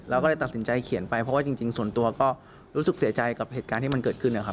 เราก็เลยตัดสินใจเขียนไปเพราะว่าจริงส่วนตัวก็รู้สึกเสียใจกับเหตุการณ์ที่มันเกิดขึ้นนะครับ